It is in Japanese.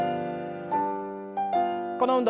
この運動